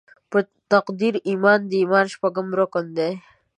په تقدیر ایمان د ایمان شپږم رکن دې.